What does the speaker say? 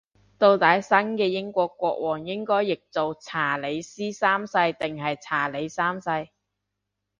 到底新嘅英國國王應該譯做查理斯三世定係查理三世